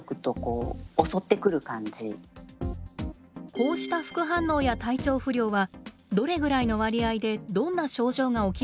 こうした副反応や体調不良はどれぐらいの割合でどんな症状が起きるのでしょうか？